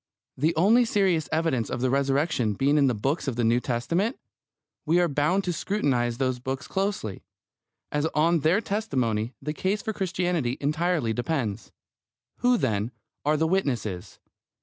The only serious evidence of the Resurrection being in the books of the New Testament, we are bound to scrutinise those books closely, as on their testimony the case for Christianity entirely depends. Who, then, are the witnesses?